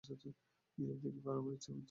Europe দেখিবার আমার খুব ইচ্ছা।